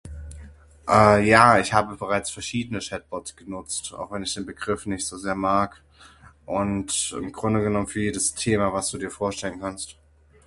Ah ja ich habe bereits verschiedene Chat Bots genutzt auch wenn ich den Begriff nicht so sehr mag, Und im Grunde genommen für jedes Thema was Du dir vorstellen kannst.